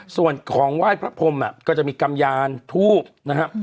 ส่วนของไหว้พระพรมก็จะมีกำยานทูบนะครับ